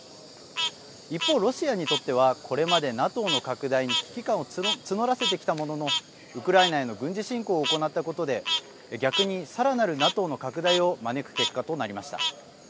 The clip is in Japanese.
一方、ロシアにとってはこれまでＮＡＴＯの拡大に危機感を募らせてきたもののウクライナへの軍事侵攻を行ったことで逆に、さらなるＮＡＴＯの拡大を招く結果となりました。